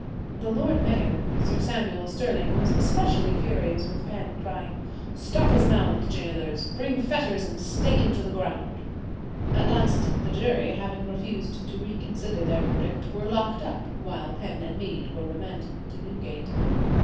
The lord mayor, Sir Samuel Stirling, was especially furious with Penn, crying, "Stop his mouth; gaoler, bring fetters and stake him to the ground." At last the jury, having refused to reconsider their verdict, were locked up; while Penn and Mead were remanded to Newgate.